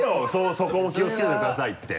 そこも気をつけてくださいって。